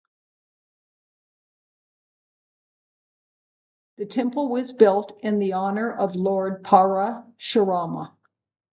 The temple was built in the honour of Lord Parashurama.